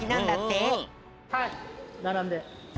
はいならんで。